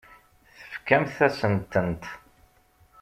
Tefkamt-asent-tent.